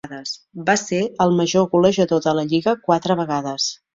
Va ser el major golejador de la lliga quatre vegades.